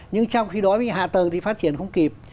nhưng trong khi đó hạ tầng thì phát triển không kịp